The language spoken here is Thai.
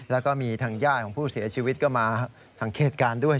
แล้วก็มีทางญาติของผู้เสียชีวิตก็มาสังเกตการณ์ด้วย